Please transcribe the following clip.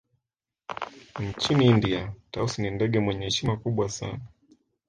Nchini India Tausi ni ndege mwenye heshima kubwa sana